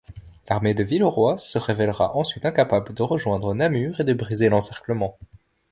L'armée de Villeroy se révèlera ensuite incapable de rejoindre Namur et de briser l'encerclement.